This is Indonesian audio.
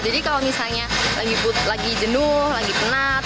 jadi kalau misalnya lagi jenuh lagi penat